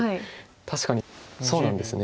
確かにそうなんですね。